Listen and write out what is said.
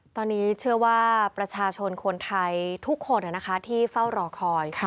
ตอนนี้เชื่อว่าประชาชนคนไทยทุกคนที่เฝ้ารอคอย